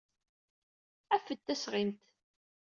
Af-d tasɣimt.